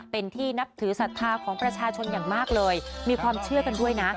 เป็นที่นับถือศรัทธาของประชาชนอย่างมากเลยมีความเชื่อกันด้วยนะ